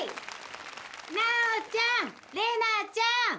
奈緒ちゃん玲奈ちゃん。